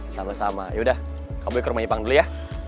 sama sama yaudah kakak boy ke rumah ipang dulu ya